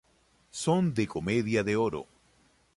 Son de comedia de oro".